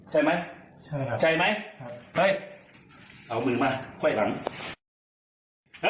ใช่ไหมเฮ้ยเอามือมาคนครั้ง